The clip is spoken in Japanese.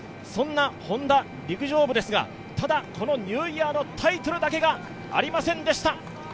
そんなＨｏｎｄａ陸上部ですが、ただこのニューイヤーのタイトルだけがありませんでした。